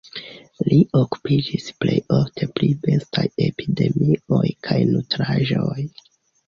Li okupiĝis plej ofte pri bestaj epidemioj kaj nutraĵoj.